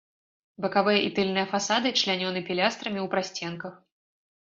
Бакавыя і тыльныя фасады члянёны пілястрамі ў прасценках.